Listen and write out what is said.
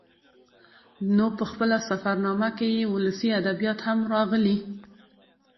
نو په خپله سفر نامه کې يې ولسي ادبيات هم راخلي